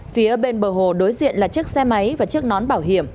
phía bên bờ hồ đối diện là chiếc xe máy và chiếc nón bảo hiểm